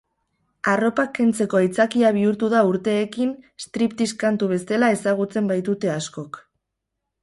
Arropak kentzeko aitzakia bihurtu da urteekin, streaptease kantu bezala ezagutzen baitute askok.